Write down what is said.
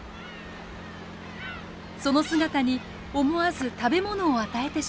その姿に思わず食べ物を与えてしまう漁師たちも。